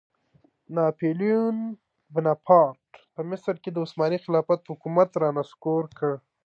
ناپیلیون بناپارټ په مصر کې د عثماني خلافت حکومت رانسکور کړ.